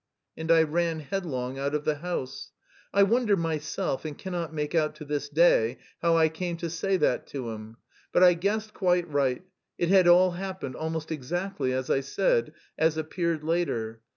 And I ran headlong out of the house. I wonder myself and cannot make out to this day how I came to say that to him. But I guessed quite right: it had all happened almost exactly as I said, as appeared later.